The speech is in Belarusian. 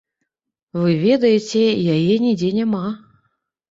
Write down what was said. Вы ведаеце, яе нідзе няма.